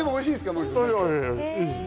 おいしいです。